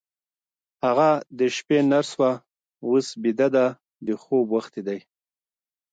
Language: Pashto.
هغه د شپې نرس وه، اوس بیده ده، د خوب وخت یې دی.